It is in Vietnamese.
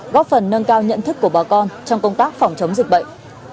góp phần nâng cao nhận thức của bà con trong công tác phòng chống dịch bệnh